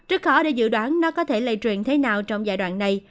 rất khó để dự đoán nó có thể lây truyền thế nào trong giai đoạn này